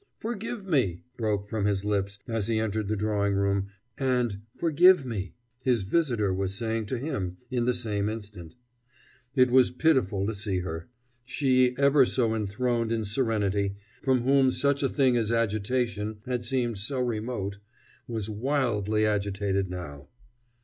"Forgive me!" broke from his lips, as he entered the drawing room, and "Forgive me!" his visitor was saying to him in the same instant. It was pitiful to see her she, ever so enthroned in serenity, from whom such a thing as agitation had seemed so remote, was wildly agitated now.